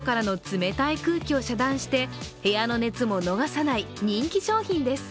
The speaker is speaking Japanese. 外からの冷たい空気を遮断して部屋の熱も逃さない人気商品です。